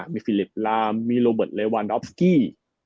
มีฟิลิปลามมีโรเบิร์ตเลวันดอฟสกี้